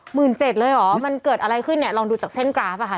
เจ็ดเลยเหรอมันเกิดอะไรขึ้นเนี่ยลองดูจากเส้นกราฟอ่ะค่ะ